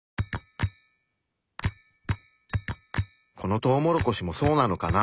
このトウモロコシもそうなのかな？